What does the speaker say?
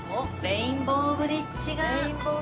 レインボーブリッジ。